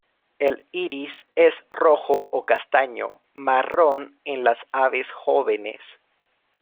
El iris es rojo o castaño, marrón en las aves jóvenes.